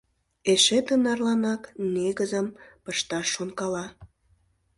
Эше тынарланак негызым пышташ шонкала.